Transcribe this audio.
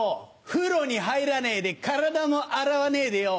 風呂に入らねえで体も洗わねえでよ